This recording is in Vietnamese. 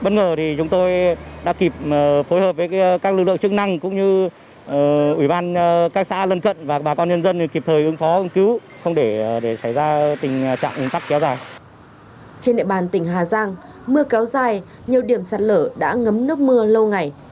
trên địa bàn tỉnh hà giang mưa kéo dài nhiều điểm sạt lở đã ngấm nước mưa lâu ngày